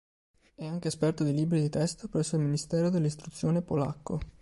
È anche esperto di libri di testo presso il Ministero dell'istruzione polacco.